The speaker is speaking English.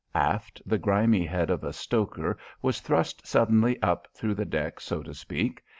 Aft, the grimy head of a stoker was thrust suddenly up through the deck, so to speak.